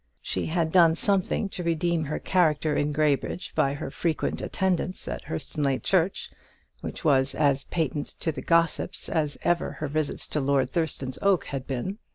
She had done something to redeem her character in Graybridge by her frequent attendance at Hurstonleigh church, which was as patent to the gossips as ever her visits to Lord Thurston's oak had been.